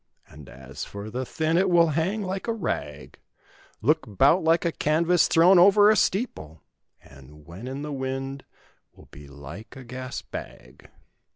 "And as for the thin it will hang like a rag! "Look 'bout like a canvas thrown over a steeple, "And when in the wind will be like a gas bag!"